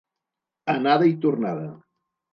Anada i tornada.